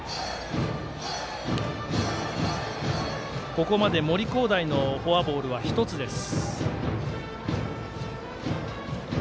ここまで森煌誠のフォアボールは１つです。